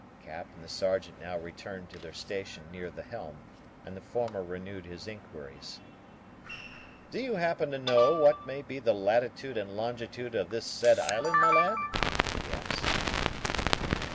Cap and the Sergeant now returned to their station near the helm, and the former renewed his inquiries. "Do you happen to know what may be the latitude and longitude of this said island, my lad?" he asked.